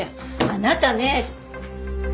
あなたね！